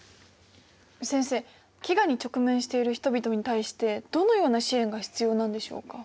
先生飢餓に直面している人々に対してどのような支援が必要なんでしょうか？